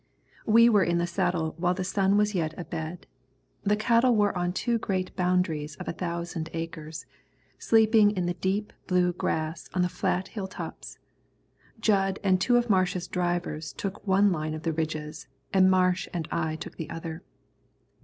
We were in the saddle while the sun was yet abed. The cattle were on two great boundaries of a thousand acres, sleeping in the deep blue grass on the flat hill tops. Jud and two of Marsh's drivers took one line of the ridges, and Marsh and I took the other.